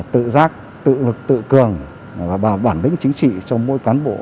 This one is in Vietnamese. tự giác tự lực tự cường và bảo bản lĩnh chính trị cho mỗi cán bộ